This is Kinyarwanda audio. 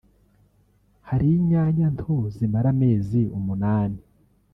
hari inyanya nto zimara amezi umunani